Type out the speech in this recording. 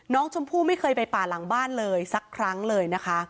น้องชมพู่ไม่เคยไปป่าหลังบ้านเลยสักครั้งเลยนะคะ